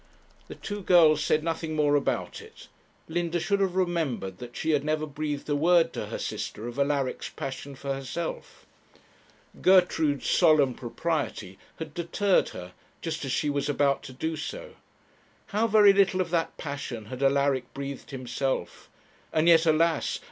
The two girls said nothing more about it. Linda should have remembered that she had never breathed a word to her sister of Alaric's passion for herself. Gertrude's solemn propriety had deterred her, just as she was about to do so. How very little of that passion had Alaric breathed himself! and yet, alas!